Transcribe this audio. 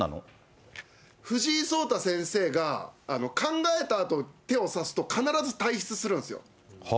藤井聡太先生が、考えたあと手を指すと必ず退室するんですよ。